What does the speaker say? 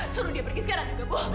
suruh dia pergi sekarang juga bu